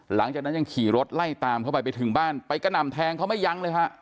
หลังจากนั้นยังขี่รถไล่ตามเข้าไปไปถึงบ้านไปกระหน่ำแทงเขาไม่ยั้งเลยฮะ